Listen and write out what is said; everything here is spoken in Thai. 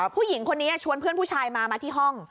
ผู้หญิงคนนี้ชวนเพื่อนผู้ชายมามาที่ห้อง